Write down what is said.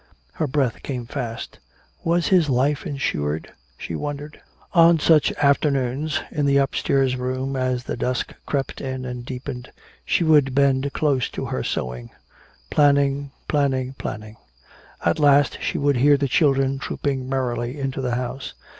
Her breath came fast. Was his life insured, she wondered. On such afternoons, in the upstairs room as the dusk crept in and deepened, she would bend close to her sewing planning, planning, planning. At last she would hear the children trooping merrily into the house.